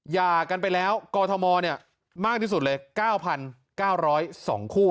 หย่ากันไปแล้วกอทมมากที่สุดเลย๙๙๐๒คู่